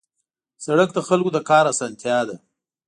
سړک د خلکو د کار اسانتیا ده.